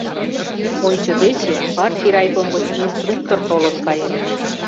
— Ончыгече партий райком гыч инструктор толын каен.